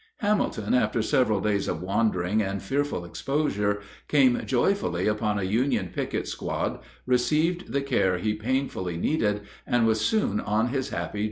Hamilton, after several days of wandering and fearful exposure, came joyfully upon a Union picket squad, received the care he painfully needed, and was soon on his happy journey home.